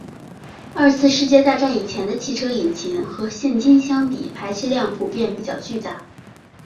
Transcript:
二次世界大战以前的汽车引擎和现今相比排气量普遍比较巨大。